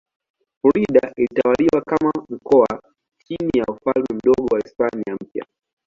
Florida ilitawaliwa kama mkoa chini ya Ufalme Mdogo wa Hispania Mpya.